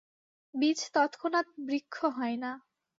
বীজ তৎক্ষণাৎ বৃক্ষ হয় না।